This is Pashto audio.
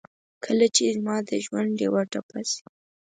کله چې زما دژوندډېوه ټپه شي